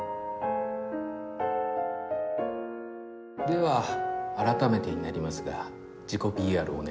では改めてになりますが自己ＰＲをお願いします。